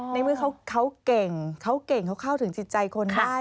ในเมื่อเขาเก่งเขาเข้าถึงจิตใจคนได้